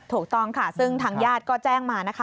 ถูกต้องค่ะซึ่งทางญาติก็แจ้งมานะคะ